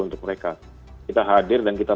untuk mereka kita hadir dan kita